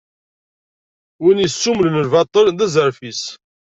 Win yessummlen lbaṭel, d azref-is.